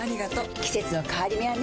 季節の変わり目はねうん。